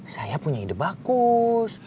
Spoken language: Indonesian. saya punya ide bagus